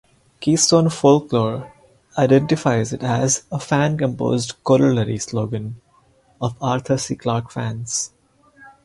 "Keystone Folklore" identifies it as a "fan-composed corollary slogan" of Arthur C. Clarke fans.